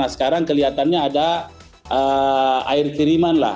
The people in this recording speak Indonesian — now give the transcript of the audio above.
sekarang kelihatannya ada air kiriman lah